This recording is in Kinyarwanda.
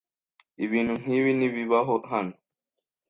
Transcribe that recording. Ibintu nkibi ntibibaho hano.